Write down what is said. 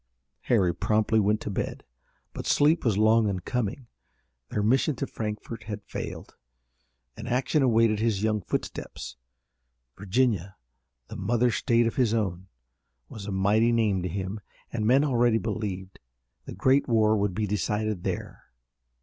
Harry promptly went to bed, but sleep was long in coming. Their mission to Frankfort had failed, and action awaited his young footsteps. Virginia, the mother state of his own, was a mighty name to him, and men already believed the great war would be decided there.